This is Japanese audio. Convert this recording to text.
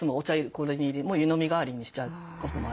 これに入れもう湯飲み代わりにしちゃうこともありますし。